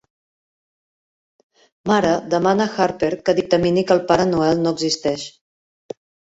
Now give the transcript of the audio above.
Mara demana a Harper que dictamini que el Pare Noel no existeix.